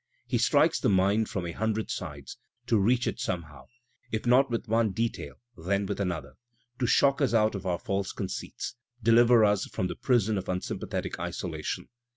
He strikes the mind from a hundred sides, to reach it somehow, if not with one detail then with another, to shock us out of our false conceits, deliver us from the prison of unsympathetic isolation.